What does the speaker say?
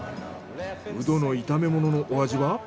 うどの炒め物のお味は？